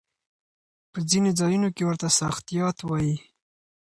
په ځينو ځايونو کې ورته ساختيات وايي.